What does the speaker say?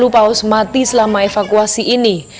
sepuluh paus mati selama evakuasi ini